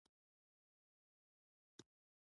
حمید به ښوونځي ته تلو